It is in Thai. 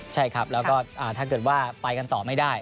ใช่ครับแล้วก็ถ้าเกิดว่าไปกันต่อไม่ได้